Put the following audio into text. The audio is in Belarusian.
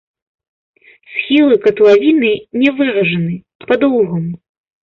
Схілы катлавіны не выражаны, пад лугам.